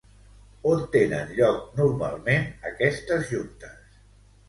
On tenen lloc normalment aquestes juntes?